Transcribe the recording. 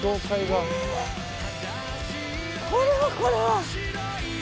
これはこれは。